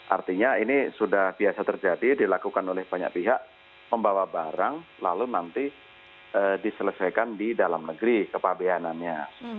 artinya ini sudah biasa terjadi dilakukan oleh banyak pihak membawa barang lalu nanti diselesaikan di dalam negeri kepabeanannya